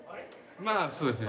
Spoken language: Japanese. まあそうですね。